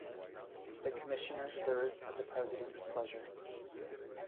The commissioner serves at the president's pleasure.